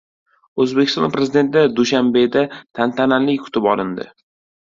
O‘zbekiston Prezidenti Dushanbeda tantanali kutib olindi